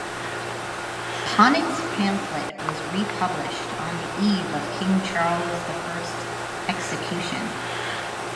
Ponet's pamphlet was republished on the eve of King Charles the First's execution.